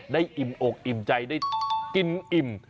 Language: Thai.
อิ่มอกอิ่มใจได้กินอิ่ม